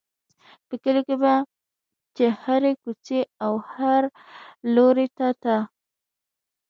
په کلي کې به چې هرې کوڅې او هر لوري ته ته.